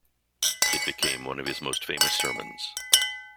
It became one of his most famous sermons.